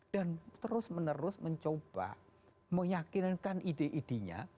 dan terus menerus mencoba menyakinkan ide idenya